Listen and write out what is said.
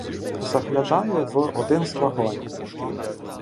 Заглядаю в один з вагонів.